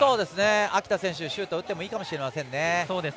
秋田選手はシュート打ってもいいかもしれませんね。